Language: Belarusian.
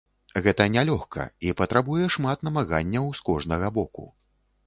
Гэта не лёгка, і патрабуе шмат намаганняў з кожнага боку.